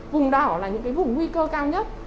vùng đỏ là những vùng nguy cơ cao nhất